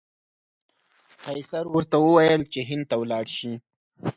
قیصر ورته وویل چې هند ته ولاړ شي.